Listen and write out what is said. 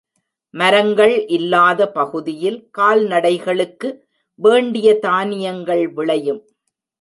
மரங்கள் இல்லாத பகுதியில் கால்நடைகளுக்கு வேண்டிய தானியங்கள் விளையும்.